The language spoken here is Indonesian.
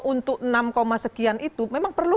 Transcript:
untuk enam sekian itu memang perlu